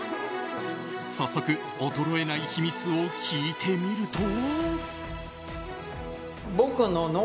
早速、衰えない秘密を聞いてみると。